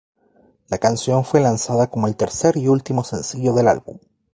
La canción fue lanzada como el tercer y último sencillo del álbum.